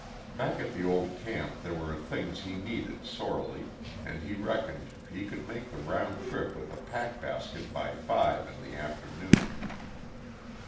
Back at the old camp there were things he needed sorely, and he reckoned that he could make the round trip with a pack basket by five in the afternoon.